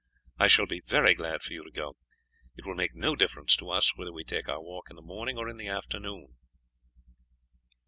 I shall be very glad for you to go. It will make no difference to us whether we take our walk in the morning or in the afternoon."